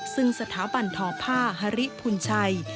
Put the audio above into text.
ซึ่งสถาบันทอผ้าฮริพุนชัย